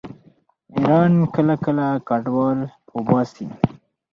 ایران کله کله کډوال وباسي.